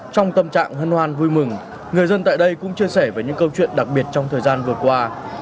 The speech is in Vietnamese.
trong tâm trạng hân hoan vui mừng người dân tại đây cũng chia sẻ về những câu chuyện đặc biệt trong thời gian vừa qua